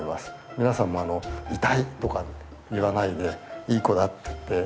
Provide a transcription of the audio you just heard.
皆さんも痛いとか言わないでいい子だっつってあげてください。